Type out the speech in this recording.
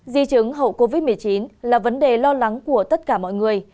di chứng hậu covid một mươi chín là vấn đề lo lắng của tất cả mọi người